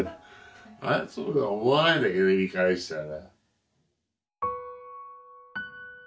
そうとは思わないんだけど見返したら。